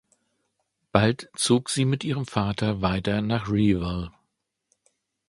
Bald zog sie mit ihrem Vater weiter nach Reval.